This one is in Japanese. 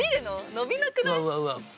伸びなくない？